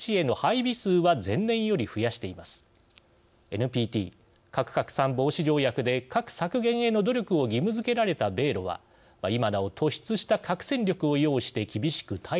ＮＰＴ＝核拡散防止条約で核削減への努力を義務づけられた米ロは今なお突出した核戦力を擁して厳しく対じしているのです。